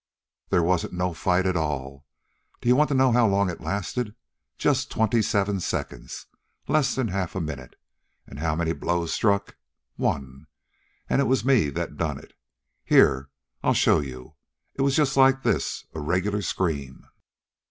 "They wasn't no fight at all. D 'ye want to know how long it lasted? Just twenty seven seconds less 'n half a minute. An' how many blows struck? One. An' it was me that done it. Here, I'll show you. It was just like this a regular scream."